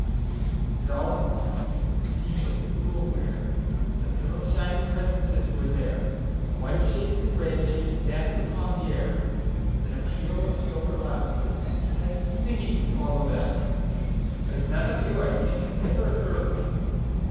And all at once it seem'd I grew awareThat little, shining presences were there,—White shapes and red shapes danced upon the air; Then a peal of silver laughter, And such singing followed afterAs none of you, I think, have ever heard.